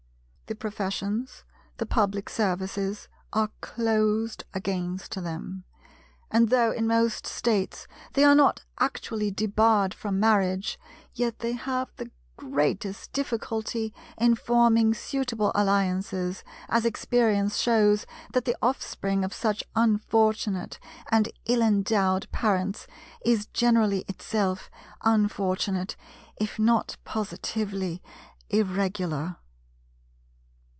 The professions, the public services, are closed against them, and though in most States they are not actually debarred from marriage, yet they have the greatest difficulty in forming suitable alliances, as experience shews that the offspring of such unfortunate and ill endowed parents is generally itself unfortunate, if not positively Irregular.